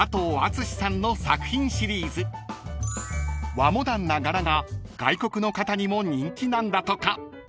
［和モダンな柄が外国の方にも人気なんだとか］